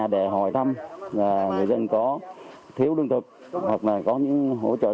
đã tham gia chương trình hí máu tình nguyện